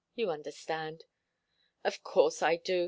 You understand." "Of course I do.